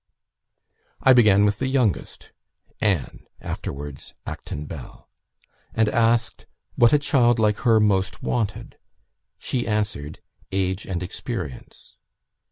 "I began with the youngest (Anne, afterwards Acton Bell), and asked what a child like her most wanted; she answered, 'Age and experience.'